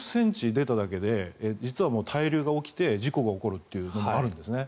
４０５０ｃｍ出ただけで実はもう滞留が起きて事故が起こるというのもあるんですね。